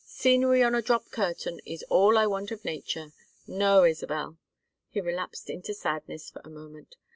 Scenery on a drop curtain is all I want of nature. No, Isabel." He relapsed into sadness for a moment.